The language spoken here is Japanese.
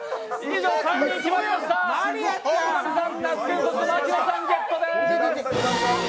３人決まりました、本並さん、那須君、そして牧野さんゲットです。